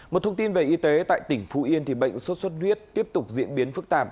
một thông tin về y tế tại tỉnh phú yên thì bệnh sốt xuất huyết tiếp tục diễn biến phức tạp